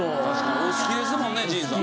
お好きですもんね陣さん。